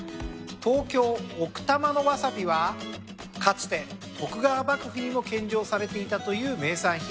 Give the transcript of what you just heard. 東京奥多摩のワサビはかつて徳川幕府にも献上されていたという名産品